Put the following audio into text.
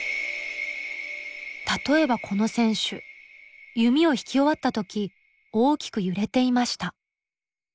例えばこの選手弓を引き終わった時大きく揺れていました。